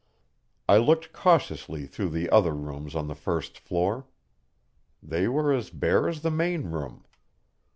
I looked cautiously through the other rooms on the first floor. They were as bare as the main room.